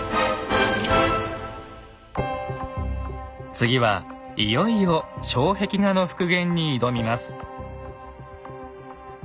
次はいよいよ障壁画の復元に挑みます。